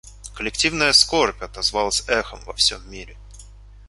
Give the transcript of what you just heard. Коллективная скорбь отозвалась эхом во всем мире.